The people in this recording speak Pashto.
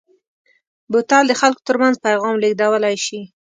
بوتل د خلکو ترمنځ پیغام لېږدولی شي.